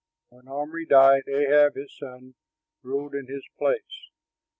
When Omri died, Ahab his son ruled in his place.